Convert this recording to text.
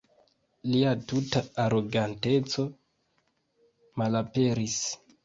Lia tuta aroganteco malaperis.